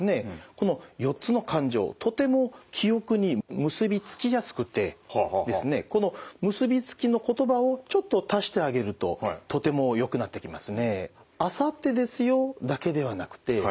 この４つの感情とても記憶に結びつきやすくてこの結びつきの言葉をちょっと足してあげるととてもよくなってきますね。